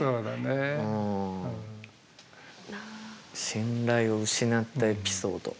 信頼を失ったエピソード。